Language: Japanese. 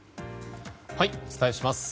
お伝えします。